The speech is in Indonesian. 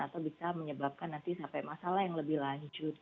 atau bisa menyebabkan nanti sampai masalah yang lebih lanjut